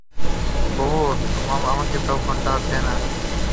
বোবো, আমাকে তোর ফোনটা দে না?